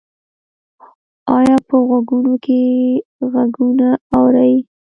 ایا په غوږونو کې غږونه اورئ؟